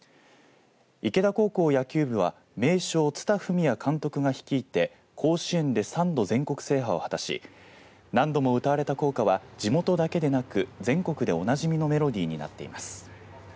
池田高校野球部は名将、蔦文也監督が率いて甲子園で３度、全国制覇を果たし何度も歌われた校歌は地元だけでなく全国でおなじみのメロディーになっています。